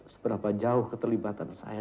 seberapa jauh keterlibatan saya